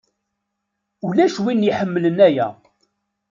Ulac win iḥemmlen aya.